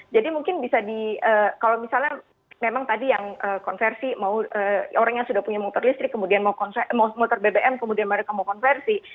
jadi mungkin bisa di kalau misalnya memang tadi yang konversi orang yang sudah punya motor listrik kemudian mau motor bbm kemudian mereka mau konversi